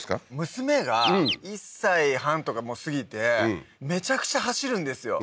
娘が１歳半とかもう過ぎてめちゃくちゃ走るんですよ